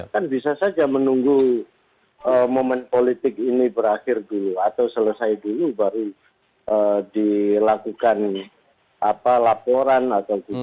kan bisa saja menunggu momen politik ini berakhir dulu atau selesai dulu baru dilakukan laporan atau tidak